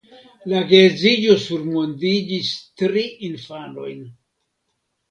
La geedziĝo surmondigis tri infanojn.